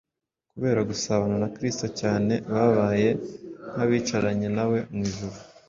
Kubera gusabana na Kristo cyane, babaye nk’abicaranye na we mu ijuru.